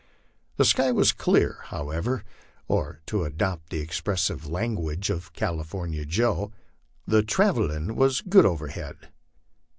The sky was clear, however, or, to adopt the expressive language of California Joe* * the travellin' was good overhead."